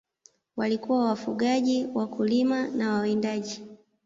Walikuwa wafugaji, wakulima na wawindaji.